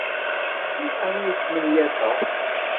D iḍan ay smenyafeɣ.